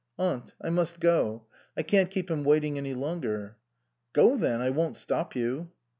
" Aunt I must go. I can't keep him waiting any longer." " Go then I won't stop you."